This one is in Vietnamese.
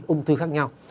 ung thư khác nhau